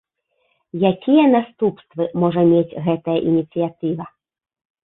Якія наступствы можа мець гэтая ініцыятыва?